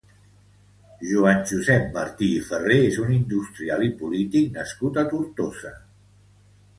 Joan Josep Martí i Ferré és un industrial i polític nascut a Tortosa.